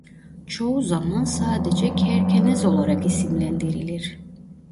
Çoğu zaman sadece kerkenez olarak isimlendirilir.